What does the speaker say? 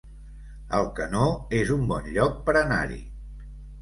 Alcanó es un bon lloc per anar-hi